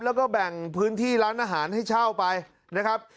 แล้วก็แบ่งพื้นที่ร้านอาหารให้เช่าไปนะครับ